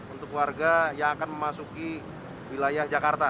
untuk warga yang akan memasuki wilayah jakarta